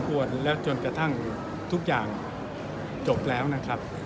จะทำให้เขาดึงเวลาออกไปเรื่อยไหมครับ